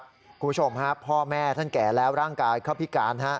คุณผู้ชมฮะพ่อแม่ท่านแก่แล้วร่างกายเขาพิการ